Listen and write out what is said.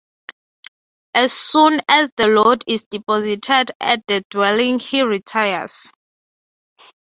As soon as the load is deposited at the dwelling, he retires.